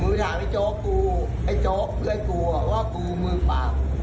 เอาไปดูค่ะ